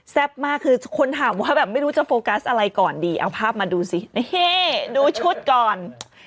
มากคือคนถามว่าแบบไม่รู้จะโฟกัสอะไรก่อนดีเอาภาพมาดูสินี่ดูชุดก่อน